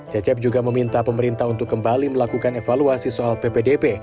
cecep juga meminta pemerintah untuk kembali melakukan evaluasi soal ppdp